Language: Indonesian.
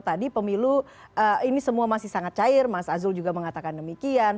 tadi pemilu ini semua masih sangat cair mas azul juga mengatakan demikian